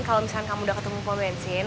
kalau misalnya kamu udah ketemu pembensin